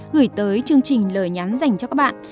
gửi tới chương trình lời nhắn dành cho các bạn